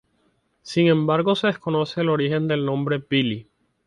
Sin embargo, se desconoce el origen del nombre "Billy".